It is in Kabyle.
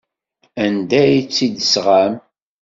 Anda ay tt-id-tesɣam?